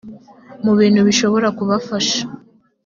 mu bintu bishobora kubafasha